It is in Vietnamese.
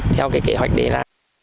theo kế hoạch để ra